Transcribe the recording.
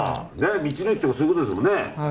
道の駅とかそういうことですもんね。